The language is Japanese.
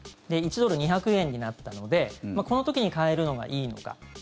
１ドル＝２００円になったのでこの時に替えるのがいいのか。